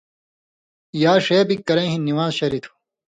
یا ݜے بِگ کرَیں ہِن نِوان٘ز شریۡ تھُو۔